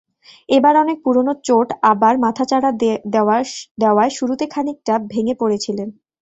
এবার অনেক পুরোনো চোট আবার মাথাচাড়া দেওয়ায় শুরুতে খানিকটা ভেঙে পড়েছিলেন।